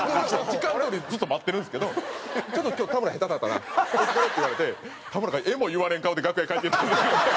時間どおりにずっと待ってるんですけど「ちょっと今日田村下手だったなお疲れ」って言われて田村がえも言われぬ顔で楽屋に帰っていった。